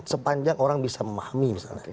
sepanjang orang bisa memahami